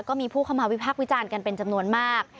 ก็มีผู้เข้ามาวิพักษ์วิจารณ์กันเป็นจำนวนมาก